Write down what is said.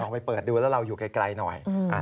ไปเปิดดูแล้วเราอยู่ไกลหน่อย